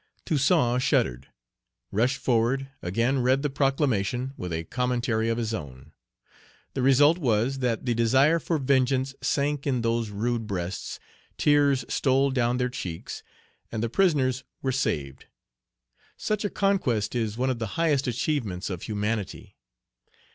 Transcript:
Toussaint shuddered, rushed forward, again read the proclamation, with a commentary of his own. The result was, that the desire for vengeance sank in those rude breasts, tears stole down their cheeks, and the prisoners were saved. Such a conquest is one of the highest achievements of humanity.